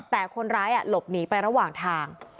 แต่คนร้ายหลบหนีไประหว่างทาง